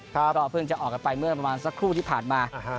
ก็เพิ่งจะออกกันไปเมื่อประมาณสักครู่ที่ผ่านมา